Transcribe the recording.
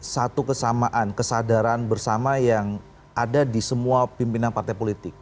satu kesamaan kesadaran bersama yang ada di semua pimpinan partai politik